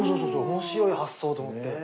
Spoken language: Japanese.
面白い発想と思って。